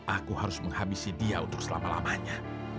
aku harus menghabisi dia untuk selama lamanya